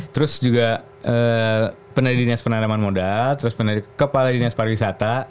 terus juga pernah di dinas penanaman modal terus pernah di kepala dinas pariwisata